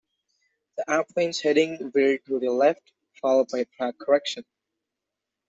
The airplane's heading veered to the left, followed by a track correction.